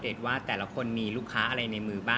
เป็นการประชุม